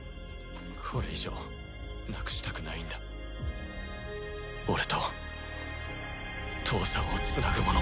これ以上なくしたくないんだ俺と父さんをつなぐもの。